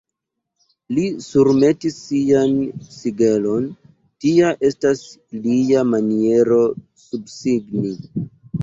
Li surmetis sian sigelon: tia estas lia maniero subsigni.